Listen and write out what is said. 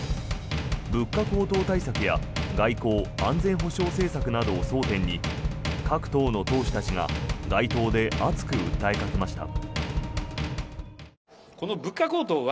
物価高騰対策や外交・安全保障政策などを争点に各党の党首たちが街頭で熱く訴えかけました。